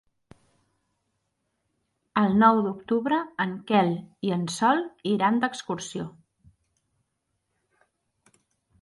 El nou d'octubre en Quel i en Sol iran d'excursió.